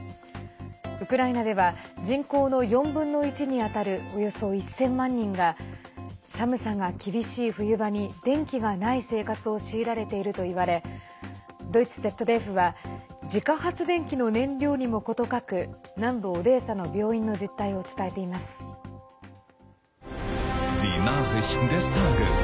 ウクライナでは人口の４分の１に当たるおよそ１０００万人が寒さが厳しい冬場に電気がない生活を強いられているといわれドイツＺＤＦは自家発電機の燃料にも事欠く南部オデーサの病院の実態を伝えています。